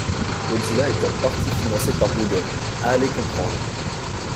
Mozilla est en parti financé par Google, allez comprendre!